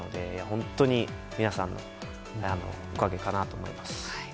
本当に皆さんのおかげだと思います。